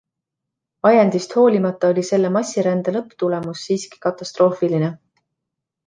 ajendist hoolimata oli selle massirände lõpptulemus siiski katastroofiline.